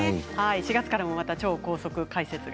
４月からはまた超高速解説が。